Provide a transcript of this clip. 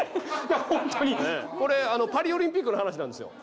これパリオリンピックの話なんですよ